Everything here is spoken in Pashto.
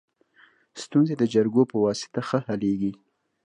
ستونزي د جرګو په واسطه ښه حلیږي.